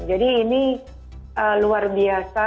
jadi ini luar biasa